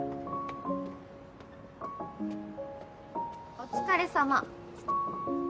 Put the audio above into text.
お疲れさま。